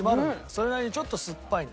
それなりにちょっと酸っぱい。